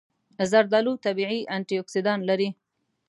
زردآلو طبیعي انټياکسیدان لري.